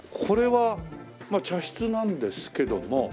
これはまあ茶室なんですけども。